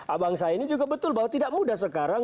abang saya ini juga betul bahwa tidak mudah sekarang